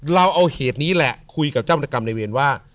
เราเอาเหตุนี้แหละคุยกับเจ้ากรรมในเวรว่า